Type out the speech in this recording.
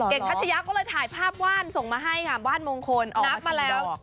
เก่งทัชยักษ์ก็เลยถ่ายภาพว่านส่งมาให้งามว่านมงคลออกมาสี่ดอก